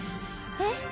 えっ！？